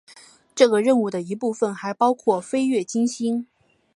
这个任务的一部分还包括飞越金星。